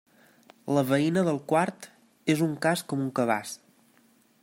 La veïna del quart és un cas com un cabàs.